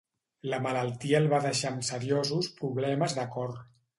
La malaltia el va deixar amb seriosos problemes de cor.